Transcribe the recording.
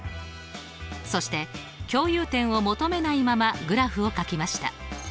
そして共有点を求めないままグラフをかきました。